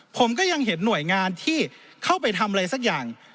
ผมก็ยังเห็นหน่วยงานที่เข้าไปทำอะไรสักอย่าง